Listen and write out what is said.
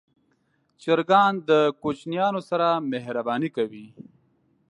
چرګان د کوچنیانو سره مهرباني کوي.